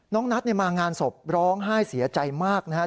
นัทมางานศพร้องไห้เสียใจมากนะครับ